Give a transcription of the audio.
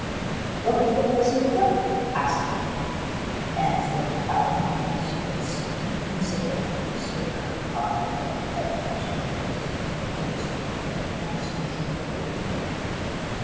'' What has the prisoner done ?" asked the King in as dignified a manner as he could assume, considering that he stood on a totter ing brick at the edge of the abyss in which the captain and his prisoner awaited him.